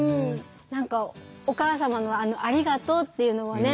何かお母様のあの「ありがとう」っていうのがね